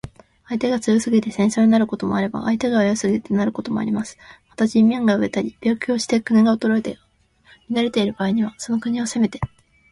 相手が強すぎて戦争になることもあれば、相手が弱すぎてなることもあります。また、人民が餓えたり病気して国が衰えて乱れている場合には、その国を攻めて